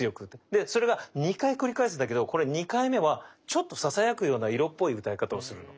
でそれが２回繰り返すんだけどこれ２回目はちょっとささやくような色っぽい歌い方をするの。